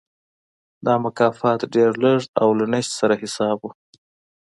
دا مکافات ډېر لږ او له نشت سره حساب و.